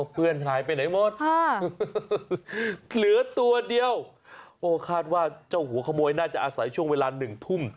เพื่อนหายไปไหนหมดเหลือตัวเดียวโอ้คาดว่าเจ้าหัวขโมยน่าจะอาศัยช่วงเวลา๑ทุ่ม